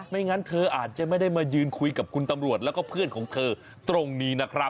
งั้นเธออาจจะไม่ได้มายืนคุยกับคุณตำรวจแล้วก็เพื่อนของเธอตรงนี้นะครับ